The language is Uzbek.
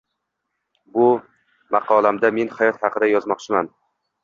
Bu maqolamda men hayot haqida yozmoqchiman